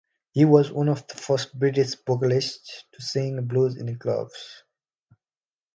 He was one of the first British vocalists to sing blues in clubs.